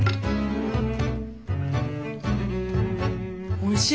おいしい。